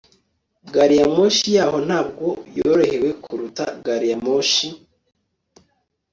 gari ya moshi yaho ntabwo yorohewe kuruta gari ya moshi